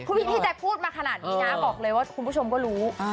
คือพี่แจ๊คพูดมาขนาดนี้นะบอกเลยว่าคุณผู้ชมก็รู้